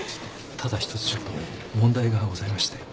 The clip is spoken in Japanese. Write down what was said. ただ一つちょっと問題がございまして。